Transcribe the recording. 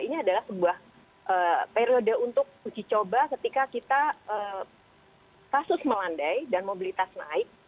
ini adalah sebuah periode untuk uji coba ketika kita kasus melandai dan mobilitas naik